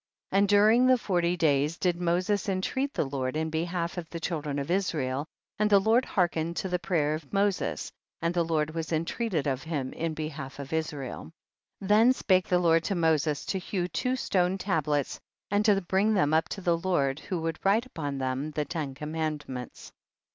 23. And during the forty days did Moses intreat the Lord in behalf of the children of Israel, and the Lord hearkened to the prayer of Moses, and the Lord was intreated of him in behalf of Israel. 24. Then spake the Lord 1o j\Io ses to hew two stone tablets and to bring them up to the Lord, who would write upon them the ten com mandments.